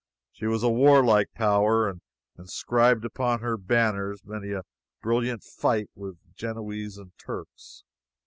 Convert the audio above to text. She was a warlike power, and inscribed upon her banners many a brilliant fight with Genoese and Turks.